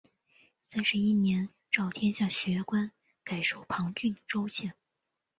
三十一年诏天下学官改授旁郡州县。